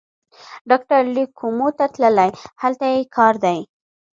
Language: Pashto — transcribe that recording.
ډاکټر لېک کومو ته تللی، هلته یې کار دی.